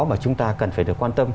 và chúng ta cần phải được quan tâm